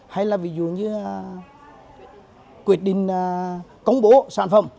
hay là ví dụ như quyết định công bố sản phẩm